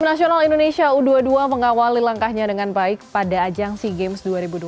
tim nasional indonesia u dua puluh dua mengawali langkahnya dengan baik pada ajang sea games dua ribu dua puluh